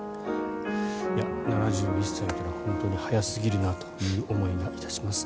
７１歳というのは本当に早すぎるなという思いがいたします。